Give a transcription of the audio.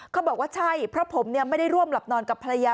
บอกว่าใช่เพราะผมไม่ได้ร่วมหลับนอนกับภรรยา